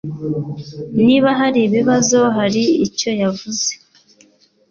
Niba haribibazo hari icyo yavuze